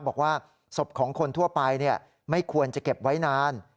บอกว่าศพของคนทั่วไปไม่ควรจะเก็บไว้นาน